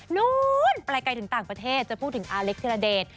นู้นไปไกลถึงต่างประเทศจะพูดถึงอาเล็กธิรเดช